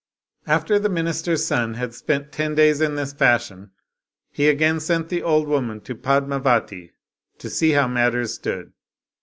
After the minister's son had spent ten days in this fashion, he again sent the old woman to Pad mavati, to see how matters stood.